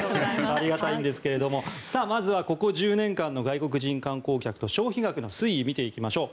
ありがたいんですがここ１０年間の外国人観光客と消費額の推移を見ていきましょう。